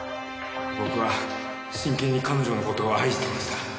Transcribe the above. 僕は真剣に彼女の事を愛していました。